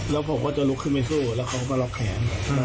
แล้วผมก็จะลุกขึ้นไปสู้แล้วเขาก็ล็อกแขน